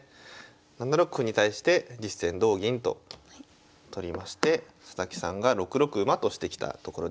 ７六歩に対して実戦同銀と取りまして佐々木さんが６六馬としてきたところです。